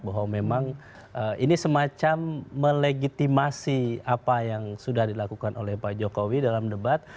bahwa memang ini semacam melegitimasi apa yang sudah dilakukan oleh pak jokowi dalam debat